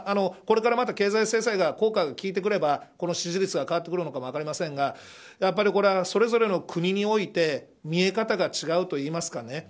これからまた経済制裁が、効果がきいてくればこの支持率が変わってくるのかも分かりませんがやっぱり、これは、それぞれの国において見え方が違うというか